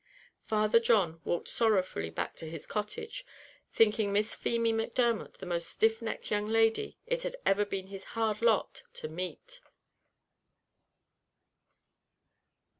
Father John walked sorrowfully back to his cottage, thinking Miss Feemy Macdermot the most stiff necked young lady it had ever been his hard lot to meet.